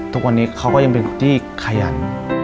ทุกวันนี้เขาก็ยังเป็นคนที่ขยัน